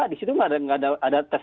di situ nggak ada test test